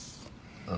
ああ。